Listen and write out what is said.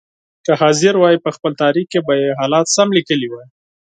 که حاضر وای په خپل تاریخ کې به یې حالات سم لیکلي وای.